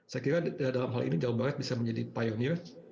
saya kira dalam hal ini jawa barat bisa menjadi pionir